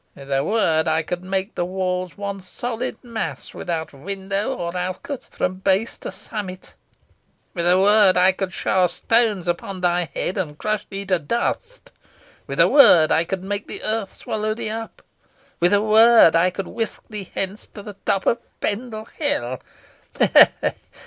With a word, I could make these walls one solid mass, without window or outlet from base to summit. With a word, I could shower stones upon thy head, and crush thee to dust. With a word, I could make the earth swallow thee up. With a word, I could whisk thee hence to the top of Pendle Hill.